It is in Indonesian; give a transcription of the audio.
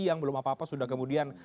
yang belum apa apa sudah kemudian